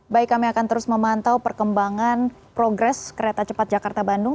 baik kami akan terus memantau perkembangan progres kereta cepat jakarta bandung